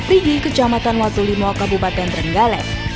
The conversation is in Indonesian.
perigi kecamatan watulimo kabupaten terenggalek